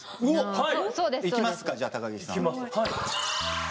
はい。